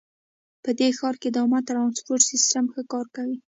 په دې ښار کې د عامه ترانسپورټ سیسټم ښه کار کوي